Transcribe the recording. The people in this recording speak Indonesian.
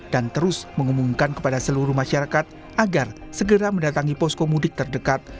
dan terus mengumumkan kepada seluruh masyarakat agar segera mendatangi posko mudik terdekat